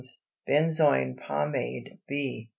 BENZOIN POMADE B.